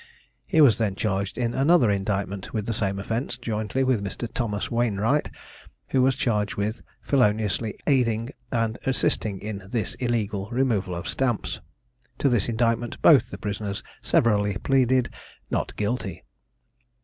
He was then charged in another indictment with the same offence, jointly with Mr. Thomas Wainewright, who was charged with feloniously aiding and assisting in this illegal removal of stamps. To this indictment both the prisoners severally pleaded Not guilty.